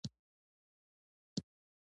زه انګلېسي زده کول خوښوم.